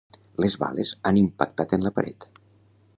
Les bales han impactat en la paret.